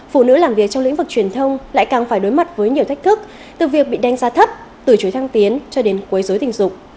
phụ nữ làm việc trong lĩnh vực truyền thông lại càng phải đối mặt với nhiều thách thức từ việc bị đánh giá thấp từ chối thăng tiến cho đến quấy dối tình dục